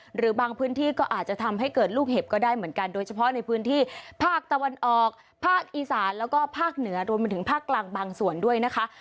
หรือบางพื้นที่ก็อาจจะทำให้เกิดลูกเห็บก็ได้เหมือนกันโดยเฉพาะในพื้นที่ภาคตะวันออกภาคอีสานแล้วก็ภาคเหนือรวมไปถึงภาคกลางบางส่วนด้วยนะคะ